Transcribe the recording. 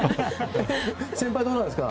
先輩どうなんですか？